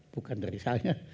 bukan dari saya